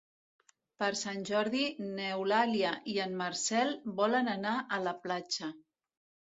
Per Sant Jordi n'Eulàlia i en Marcel volen anar a la platja.